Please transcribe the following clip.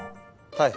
はい。